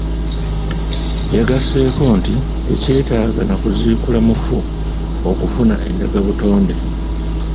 Yagasseeko nti tekyetaaga nakuziikula mufu okufuna ndagabuotnde.